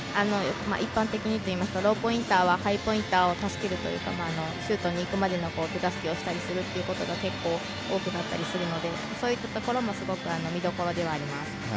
一般的にといいますかローポインターはハイポインターを助けるというかシュートに行くまでの手助けをしたりすることが結構、多くなったりしますのでそういったところもすごく見どころではあります。